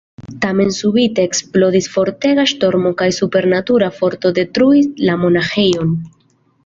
Tamen subite eksplodis fortega ŝtormo kaj supernatura forto detruis la monaĥejon.